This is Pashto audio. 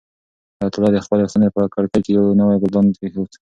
حیات الله د خپلې خونې په کړکۍ کې یو نوی ګلدان کېښود.